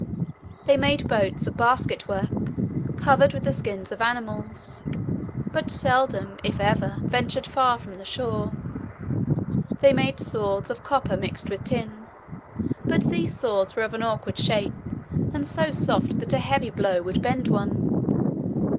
They made boats of basket work, covered with the skins of animals, but seldom, if ever, ventured far from the shore. They made swords, of copper mixed with tin; but, these swords were of an awkward shape, and so soft that a heavy blow would bend one.